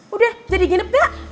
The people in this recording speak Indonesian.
udah jadi nginep gak